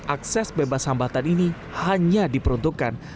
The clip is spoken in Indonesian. akses bebas hambatan ini hanya diperuntukkan